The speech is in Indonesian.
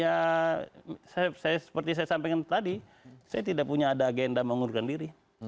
ya seperti saya sampaikan tadi saya tidak punya ada agenda mengundurkan diri